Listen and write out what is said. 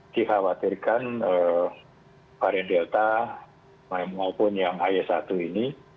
dikhawatirkan varian delta maupun yang ay satu ini